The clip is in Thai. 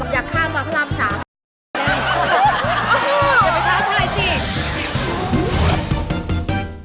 อยากข้ามมาข้างล่างสาม